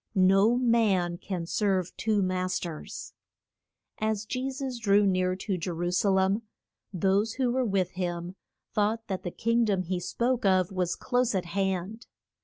No man can serve two mas ters. As Je sus drew near to Je ru sa lem those who were with him thought that the king dom he spoke of was close at hand.